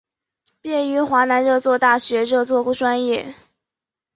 毕业于华南热作大学热作专业。